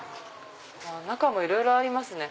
中もいろいろありますね。